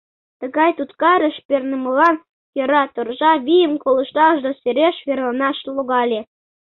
Тыгай туткарыш пернымылан кӧра торжа вийым колышташ да сереш верланаш логале.